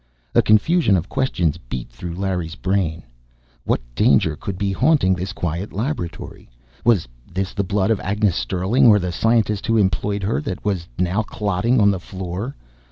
A confusion of questions beat through Larry's brain. What danger could be haunting this quiet laboratory? Was this the blood of Agnes Sterling or the scientist who employed her that was now clotting on the floor?